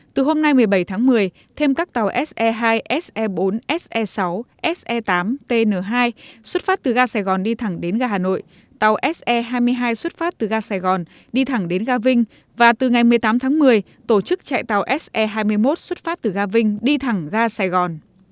từ hôm nay một mươi bảy tháng một mươi thêm các tàu se hai se bốn se sáu se tám tn hai xuất phát từ ga sài gòn đi thẳng đến ga hà nội tàu se hai mươi hai xuất phát từ ga sài gòn đi thẳng đến ga vinh và từ ngày một mươi tám tháng một mươi tổ chức chạy tàu se hai mươi một xuất phát từ ga vinh đi thẳng ra sài gòn